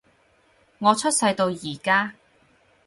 我出世到而家